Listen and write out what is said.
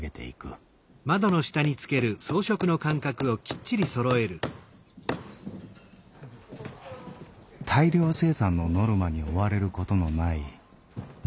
大量生産のノルマに追われることのない自分らしい仕事。